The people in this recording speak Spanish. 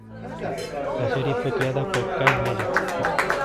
La serie fue creada por Kay Mellor.